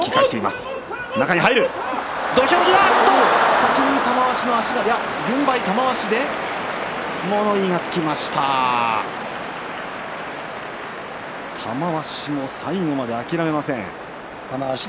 先に、玉鷲の足が軍配は玉鷲で物言いがつきました玉鷲は最後まで諦めません。